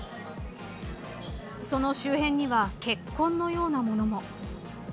その周辺には血痕のようなものも。